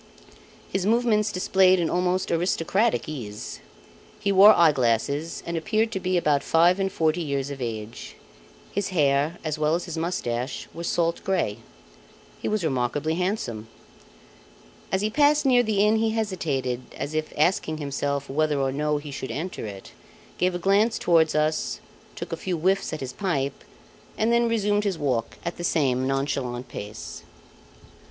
His movements displayed an almost aristocratic ease. He wore eye glasses and appeared to be about five and forty years of age. His hair as well as his moustache were salt grey. He was remarkably handsome. As he passed near the inn, he hesitated, as if asking himself whether or no he should enter it; gave a glance towards us, took a few whiffs at his pipe, and then resumed his walk at the same nonchalant pace.